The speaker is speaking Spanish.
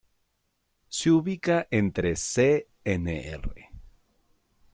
Se ubica entre Cnr.